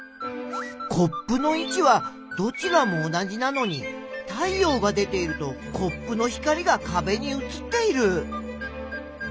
コップのいちはどちらも同じなのに太陽が出ているとコップの光がかべにうつっている。